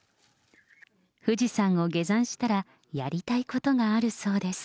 富士山を下山したら、やりたいことがあるそうです。